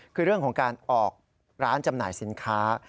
คือเรื่องของการออกร้านจำหน่ายสินค้า